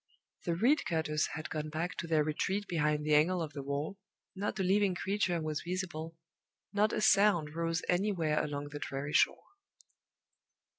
The reed cutters had gone back to their retreat behind the angle of the wall, not a living creature was visible, not a sound rose anywhere along the dreary shore.